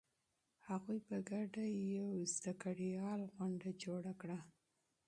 هغوی په ګډه یو علمي کنفرانس جوړ کړ.